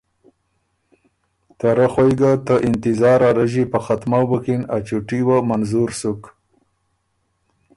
ته رۀ خوئ ګۀ ته انتظار ا رݫی په ختمؤ بُکِن ا چُوټي وه منظور سُک